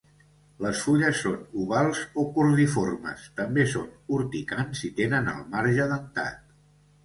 Les fulles són ovals o cordiformes, també són urticants i tenen el marge dentat.